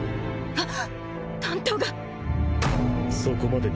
あっ。